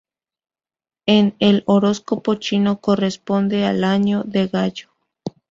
En el horóscopo chino corresponde al Año del Gallo.